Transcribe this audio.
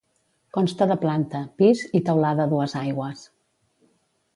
Consta de planta, pis i teulada a dues aigües.